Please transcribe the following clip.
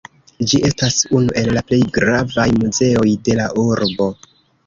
Ĝi estas unu el la plej gravaj muzeoj de la urbo.